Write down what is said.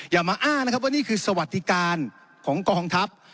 อย่ามาอ้างนะครับว่านี่คือสวัสดิการของกองทัพ